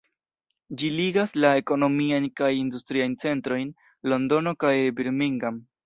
Ĝi ligas la ekonomiajn kaj industriajn centrojn Londono kaj Birmingham.